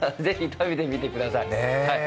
食べてみてください。